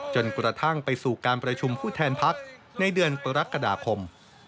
จนกระทั่งไปสู่การประชุมผู้แทนพักในเดือนกรกฎาคม